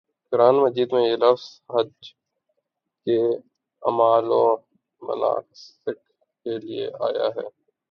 قرآنِ مجید میں یہ لفظ حج کے اعمال و مناسک کے لیے آیا ہے